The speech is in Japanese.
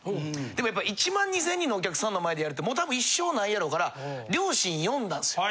でもやっぱ１２０００人のお客さんの前でやるってもう多分一生ないやろうから両親呼んだんですよ。